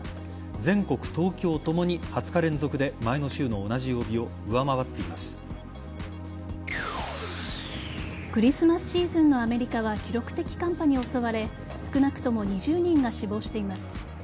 全国、東京共に２０日連続で前の週の同じ曜日をクリスマスシーズンのアメリカは記録的寒波に襲われ少なくとも２０人が死亡しています。